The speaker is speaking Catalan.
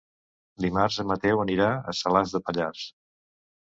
Dimarts en Mateu anirà a Salàs de Pallars.